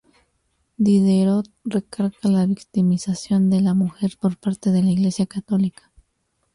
Diderot recalca la victimización de la mujer por parte de la Iglesia católica.